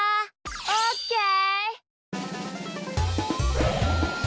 オッケー！